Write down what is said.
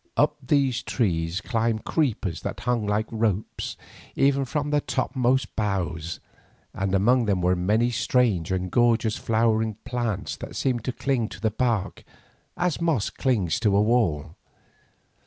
Up these trees climbed creepers that hung like ropes even from the topmost boughs, and among them were many strange and gorgeous flowering plants that seemed to cling to the bark as moss clings to a wall.